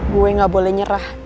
gue gak boleh nyerah